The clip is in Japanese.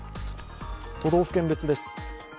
都道府県別です。